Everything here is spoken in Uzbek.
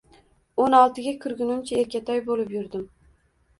O`n oltiga kirgunimgacha erkatoy bo`lib yurdim